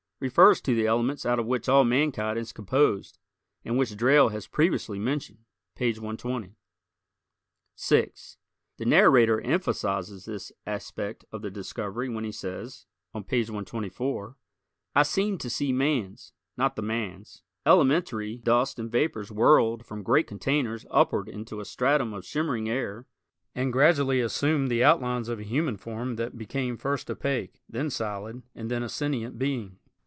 refers to the elements out of which all mankind is composed and which Drayle has previously mentioned (page 120). 6 The narrator emphasizes this aspect of the discovery when he says, on page 124, "I seemed to see man's (not the man's) elementary dust and vapors whirled from great containers upward into a stratum of shimmering air and gradually assume the outlines of a human form that became first opaque, then solid, and then a sentient being."